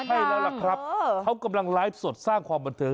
ใช่แล้วล่ะครับเขากำลังไลฟ์สดสร้างความบันเทิง